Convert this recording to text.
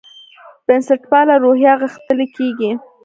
بنسټپاله روحیه غښتلې کېږي.